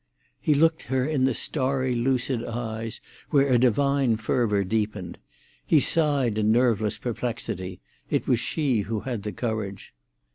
He looked her in the starry, lucid eyes, where a divine fervour deepened. He sighed in nerveless perplexity; it was she who had the courage.